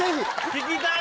聞きたい